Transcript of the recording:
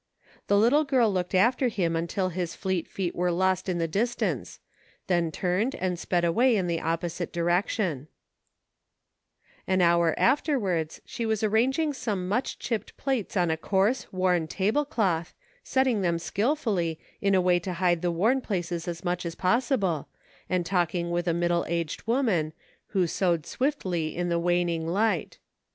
The little girl looked after him until his fleet feet were lost in the dis tance, then turned, and sped away in the opposite direction; An hour afterwards she was arranging some much chipped plates on a coarse, worn table cloth, setting them skillfully, in a way to hide the worn places as much as possible, and talking with a middle aged woman, who sewed swiftly in the wan ing light.